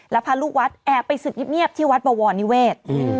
และพาลูกวัดแอบไปสิบเงียบที่วัดบัววรณ์นิเวศ